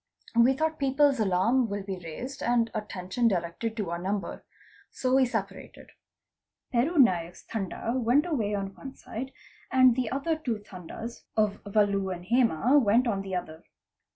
We thought people's alarm will be raised and _ attention directed to our number. So we separated. Peru Naik's Tanda went away on one side and the other two Tandas of Valu and' Hema went on the other.